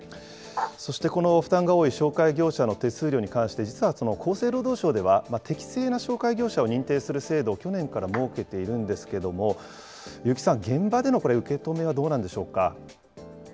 そしてこの、負担が多い紹介業者の手数料に関して、実は厚生労働省では、適正な紹介業者を認定する制度を去年から設けているんですけれども、結城さん、現場での受け止めはどうなんでしょうか。